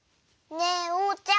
ねえおうちゃん。